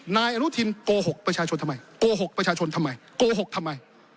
นายอนุทินโกหกประชาชนทำไมโกหกประชาชนทำไมโกหกทำไม